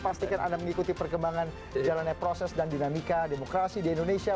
pastikan anda mengikuti perkembangan jalannya proses dan dinamika demokrasi di indonesia